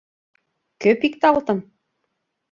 — Кӧ пикталтын?